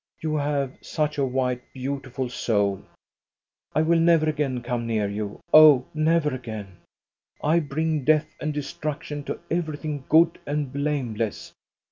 You have such a white, beauti ful soul. I will never again come near you. Oh, never again ! I bring death and destruction to every thing good and blameless.